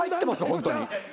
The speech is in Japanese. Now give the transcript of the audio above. ホントに。